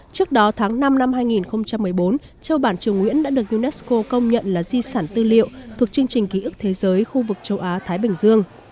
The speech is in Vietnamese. trước đó tháng năm năm hai nghìn một mươi bốn châu bản triều nguyễn đã được unesco công nhận là di sản tư liệu thuộc chương trình ký ức thế giới khu vực châu á thái bình dương